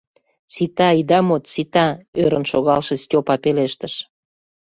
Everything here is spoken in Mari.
— Сита, ида мод, сита, — ӧрын шогалше Стёпа пелештыш.